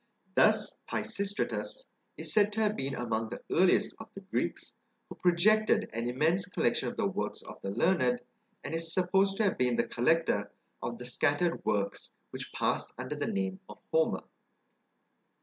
Thus Pisistratus is said to have been among the earliest of the Greeks, who projected an immense collection of the works of the learned, and is supposed to have been the collector of the scattered works, which passed under the name of Homer.